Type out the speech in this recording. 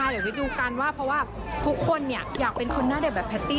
เดี๋ยวได้ดูกันว่าเพราะว่าทุกคนอยากเป็นคนหน้าเด็กแบบแพตตี้